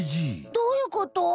どういうこと？